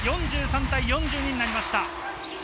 ４３対４２になりました。